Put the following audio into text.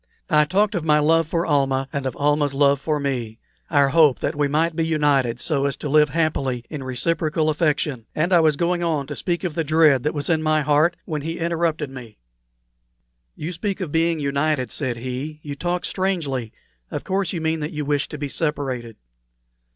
I talked of my love for Almah and of Almah's love for me; our hope that we might be united so as to live happily in reciprocal affection; and I was going on to speak of the dread that was in my heart when he interrupted me: "You speak of being united," said he. "You talk strangely. Of course you mean that you wish to be separated."